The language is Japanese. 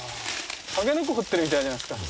タケノコ掘ってるみたいじゃないすか。